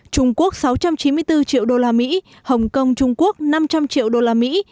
trung quốc sáu trăm chín mươi bốn triệu đô la mỹ hồng kông trung quốc năm trăm linh triệu đô la mỹ